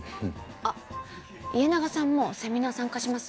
あっ家長さんもセミナー参加します？